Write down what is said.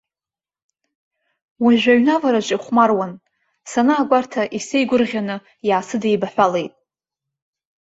Уажәы аҩны авараҿы ихәмаруан, санаагәарҭа исеигәырӷьаны иаасыдеибаҳәалеит.